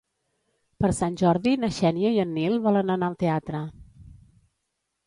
Per Sant Jordi na Xènia i en Nil volen anar al teatre.